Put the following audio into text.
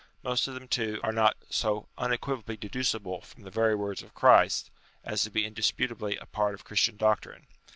Most of them too, are happily not so unequivocally deducible from the very words of Christ as to be indisputably a part of Christian doctrine.